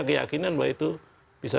keyakinan bahwa itu bisa